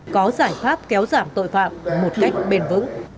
có giải pháp kéo giảm tội phạm một cách bền vững